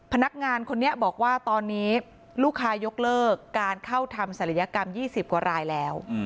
พนักงานคนนี้บอกว่าตอนนี้ลูกค้ายกเลิกการเข้าทำศัลยกรรม๒๐กว่ารายแล้ว